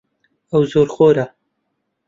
ئەو زۆرخۆرە.